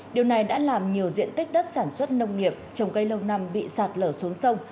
điều này đã làm nhiều diện tích đất sản xuất nông nghiệp trồng cây lâu năm bị sạt lở xuống sông